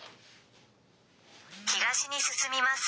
東に進みます。